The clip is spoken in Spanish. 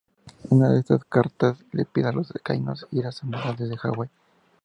Una de esas cartas le pide a los decanos ir a Samoa desde Hawái.